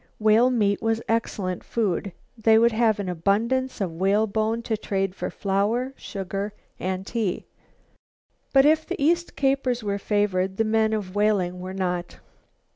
Whale meat was excellent food. They would have an abundance of whale bone to trade for flour, sugar and tea. But if the East Capers were favored, the men of Whaling were not.